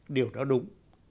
điều đó đúng